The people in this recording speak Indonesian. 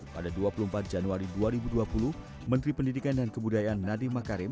pada dua puluh empat januari dua ribu dua puluh menteri pendidikan dan kebudayaan nadiem makarim